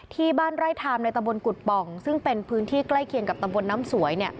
ที่บ้านไร่ทามในตะบนกุฎป่องซึ่งเป็นพื้นที่ใกล้เคียงกับตำบลน้ำสวย